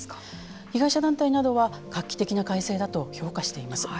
被害者団体などは画期的な改正だと評価しています。